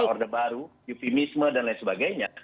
order baru eufemisme dan lain sebagainya